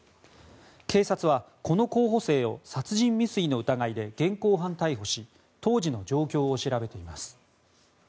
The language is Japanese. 警察はこの候補生を殺人未遂の疑いで現行犯逮捕し当時の状況を調べています。